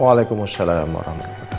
waalaikumussalam warahmatullahi wabarakatuh